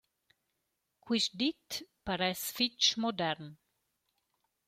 Quist dit paress fich modern.